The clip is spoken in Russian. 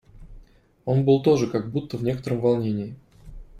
Он был тоже как будто в некотором волнении.